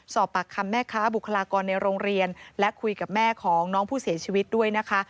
สอบปากคำแม่ค้าบุคลากรในโรงเรียนและคุยกับแม่ของน้องผู้เสียชีวิตด้วยนะคะ